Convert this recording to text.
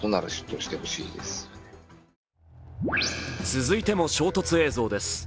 続いても衝突映像です。